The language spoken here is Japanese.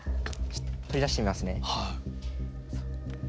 取り出してみますね。